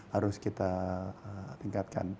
harus kita tingkatkan